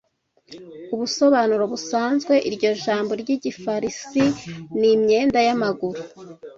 Ubusobanuro busanzwe iryo ijambo ry'igifarisi ni imyenda y'amaguru